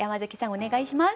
お願いします。